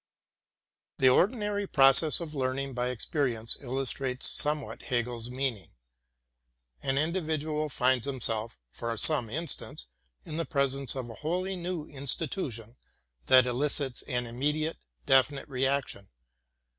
The ordinary process of learning by experience illustrates somewhat Hegel's meaning. An individual finds himself, for instance, in the presence of a wholly new situation that elicits an immediate, definite reaction.